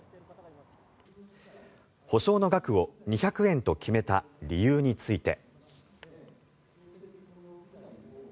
補償の額を２００円と決めた理由について。